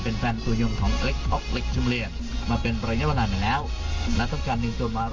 โหโดนไปกี่คันคะนี่